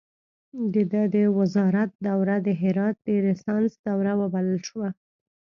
د ده د وزارت دوره د هرات د ریسانس دوره وبلل شوه.